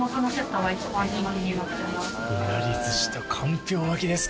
いなり寿司とかんぴょう巻きですか。